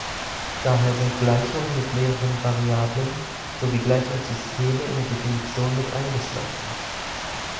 Daher sind Gleichungen mit mehreren Variablen sowie Gleichungssysteme in der Definition mit eingeschlossen.